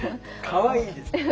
かわいいですね。